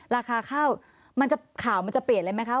ราคาข้าวข่าวมันจะเปลี่ยนเลยไหมคะ